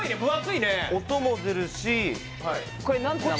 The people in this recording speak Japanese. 音も出るし